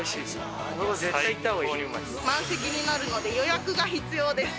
満席になるので予約が必要です。